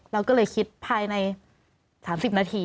เราก็เลยคิดภายใน๓๐นาที